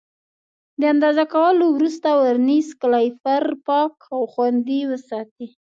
د اندازه کولو وروسته ورنیز کالیپر پاک او خوندي وساتئ.